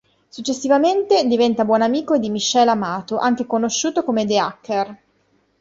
Successivamente, diventa buon amico di Michel Amato, anche conosciuto come The Hacker.